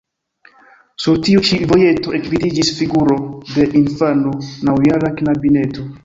Sur tiu ĉi vojeto ekvidiĝis figuro de infano, naŭjara knabineto.